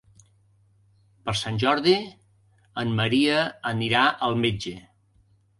Per Sant Jordi en Maria anirà al metge.